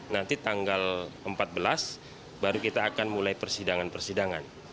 nanti tanggal empat belas baru kita akan mulai persidangan persidangan